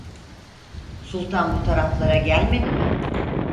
Sultan bu taraflara gelmedi mi?